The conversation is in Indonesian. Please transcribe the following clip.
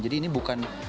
jadi ini bukan